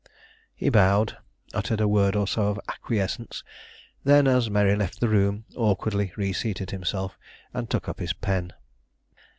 He bowed, uttered a word or so of acquiescence, then, as Mary left the room, awkwardly reseated himself, and took up his pen.